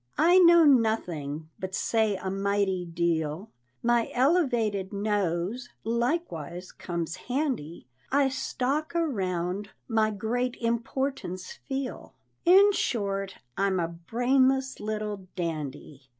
I know nothing, but say a mighty deal; My elevated nose, likewise, comes handy; I stalk around, my great importance feel In short, I'm a brainless little dandy.